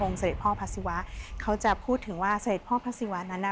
เสด็จพ่อพระศิวะเขาจะพูดถึงว่าเสด็จพ่อพระศิวะนั้นน่ะ